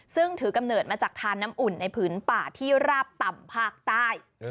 ซึ่งถือกำเนิดมาจากทานน้ำอุ่นในผืนป่าที่ราบต่ำภาคใต้